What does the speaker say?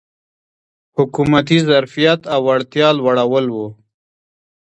حکومتي ظرفیت او وړتیا لوړول و.